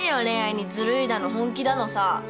恋愛にずるいだの本気だのさ。